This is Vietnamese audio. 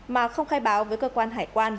mà không khai báo với cơ quan hải quan